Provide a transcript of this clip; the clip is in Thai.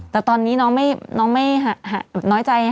แต่ตอนนี้น้องไม่น้อยใจหายแล้วใช่ไหม